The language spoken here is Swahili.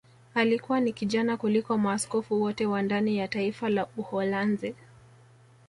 Alikuwa ni kijana kuliko maaskofu wote wa ndani ya taifa la Uholanzi